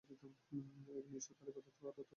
একনিষ্ঠভাবে তাঁর ইবাদত করার তওফীক দিয়েছেন।